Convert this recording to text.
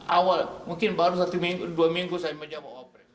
awal mungkin baru dua minggu saya menjawab